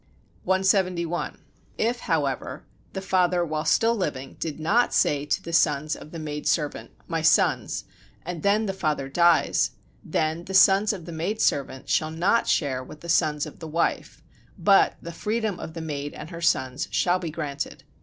171. If, however, the father while still living did not say to the sons of the maid servant: "My sons," and then the father dies, then the sons of the maid servant shall not share with the sons of the wife, but the freedom of the maid and her sons shall be granted.